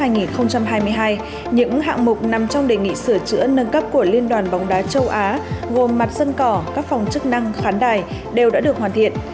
những hạng mục nằm trong đề nghị sửa chữa nâng cấp của liên đoàn bóng đá châu á gồm mặt sân cỏ các phòng chức năng khán đài đều đã được hoàn thiện